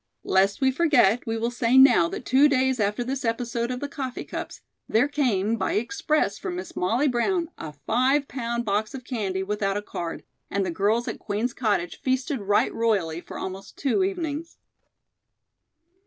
Lest we forget, we will say now that two days after this episode of the coffee cups, there came, by express for Miss Molly Brown, a five pound box of candy without a card, and the girls at Queen's Cottage feasted right royally for almost two evenings.